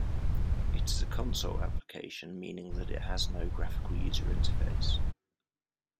It is a console application, meaning that it has no graphical user interface.